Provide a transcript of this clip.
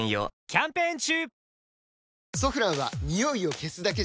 キャンペーン中！